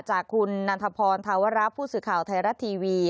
จากคุณนันทพรธาวระผู้สื่อข่าวไทยรัฐทีวี